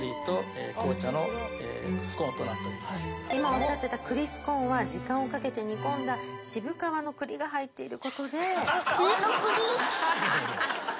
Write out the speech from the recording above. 今おっしゃってた栗スコーンは時間をかけて煮込んだ渋皮の栗が入っていることで。